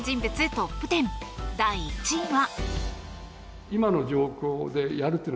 トップ１０第１位は。